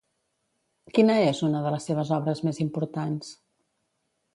Quina és una de les seves obres més importants?